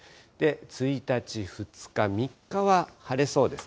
１日、２日、３日は晴れそうです。